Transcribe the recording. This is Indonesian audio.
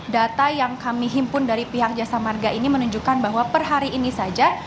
data yang kami himpun dari pihak jasa marga ini menunjukkan bahwa per hari ini saja